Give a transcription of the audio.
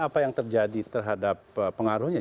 apa yang terjadi terhadap pengaruhnya